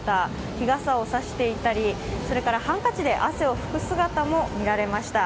日傘を差していたりそれからハンカチで汗を拭く姿も見られました。